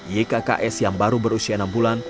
ykks yang baru berusia enam bulan